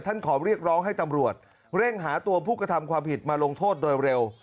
ขอเรียกร้องให้ตำรวจเร่งหาตัวผู้กระทำความผิดมาลงโทษโดยเร็ว